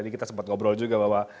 kasih ingin monik